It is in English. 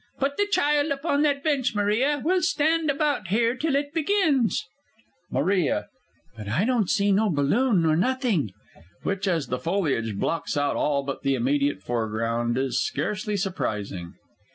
Put the child up on that bench, Maria; we'll stand about here till it begins. MARIA. But I don't see no balloon nor nothing. [_Which, as the foliage blocks out all but the immediate foreground is scarcely surprising.